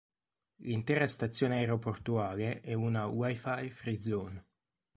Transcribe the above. L'intera stazione aeroportuale è una Wi-Fi Free Zone.